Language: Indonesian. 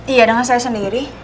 iya dengan saya sendiri